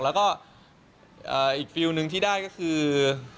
แล้วก็อีกฟิลลหนึ่งที่ได้ก็คือ